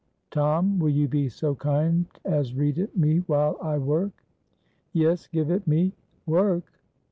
Tom, will you be so kind as read it me while I work?" "Yes, give it me. Work?